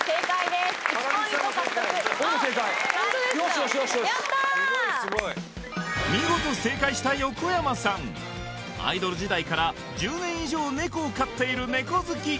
すごいすごい見事正解した横山さんアイドル時代から１０年以上ネコを飼っているネコ好き！